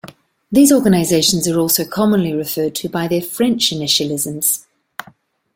These organizations are also commonly referred to by their French initialisms.